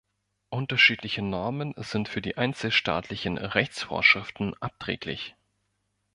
Unterschiedliche Normen sind für die einzelstaatlichen Rechtsvorschriften abträglich.